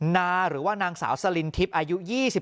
นาหรือว่านางสาวสลินทิพย์อายุ๒๓